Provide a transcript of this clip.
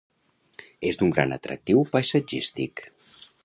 És d'un gran atractiu paisatgístic.